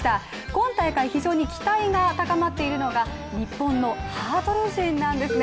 今大会、非常に期待が高まっているのが日本のハードル陣なんですね。